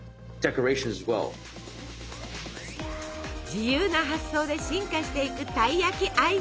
自由な発想で進化していくたい焼きアイス。